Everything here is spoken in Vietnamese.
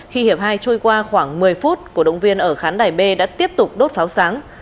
khi hiệp hai trôi qua khoảng một mươi phút cổ động viên ở khán đài b đã tiếp tục đốt pháo sáng